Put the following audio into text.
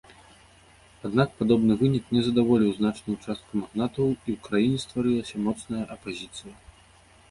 Аднак падобны вынік не задаволіў значную частку магнатаў і ў краіне стварылася моцная апазіцыя.